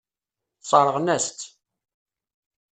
Sseṛɣen-as-tt.